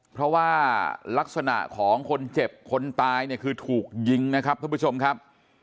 เพราะว่าลักษณะของคนเจ็บคนตายเนี่ยคือถูกยิงนะครับท่านผู้ชมครับ